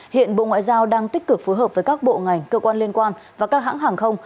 hiện bộ ngoại giao đang tích cực phối hợp với các bộ ngành cơ quan liên quan và các hãng hàng không